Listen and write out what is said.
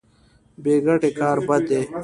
بې ګټې کار بد دی.